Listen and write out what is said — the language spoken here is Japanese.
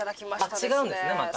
違うんですねまた。